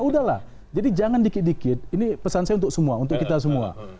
udahlah jadi jangan dikit dikit ini pesan saya untuk semua untuk kita semua